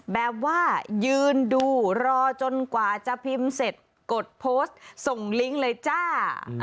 แบบว่ายืนดูรอจนกว่าจะพิมพ์เสร็จกดโพสต์ส่งลิงก์เลยจ้า